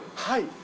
はい。